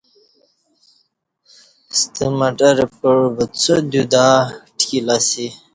ستہ مٹر پکعو وڅودیو دا ٹکِیل اسی۔